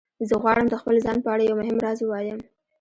زه غواړم د خپل ځان په اړه یو مهم راز ووایم